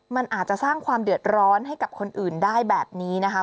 มันอาจจะสร้างความเดือดร้อนให้กับคนอื่นได้แบบนี้นะคะ